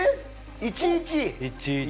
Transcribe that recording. １−１。